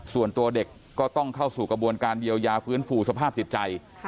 ส่วนตัวเด็กก็ต้องเข้าสู่กระบวนการเยียวยาฟื้นฟูสภาพจิตใจ